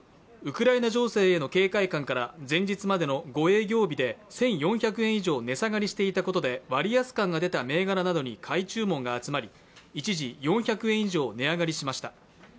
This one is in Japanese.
ウクライナ情勢への警戒感から前日までの５営業日で１４００円以上値下がりしていたことで割安感が出た銘柄などに買い注文が集まり一時４００円以上値上がりしました。